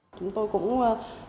chúng tôi cũng có nhiều những cái